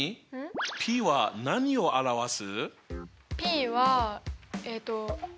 ｐは何を表す？